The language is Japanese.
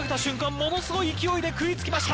ものすごい勢いで食いつきました。